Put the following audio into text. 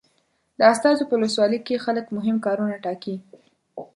د استازو په ولسواکي کې خلک مهم کارونه ټاکي.